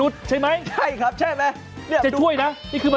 สกิดยิ้ม